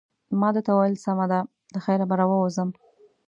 ما ده ته وویل: سمه ده، له خیره به راووځم.